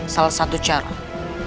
salah satu cara